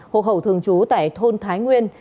hồ khẩu thường trú tại thôn thái nguyên